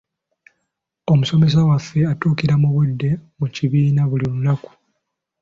Omusomesa waffe atuukira mu budde mu kibiina buli lunaku.